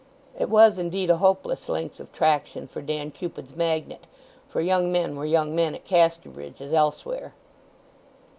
It was, indeed, a hopeless length of traction for Dan Cupid's magnet; for young men were young men at Casterbridge as elsewhere.